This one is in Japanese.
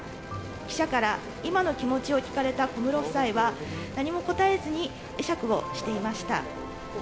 記者から今の気持ちを聞かれた小室夫妻は、何も答えずに会釈をしていました。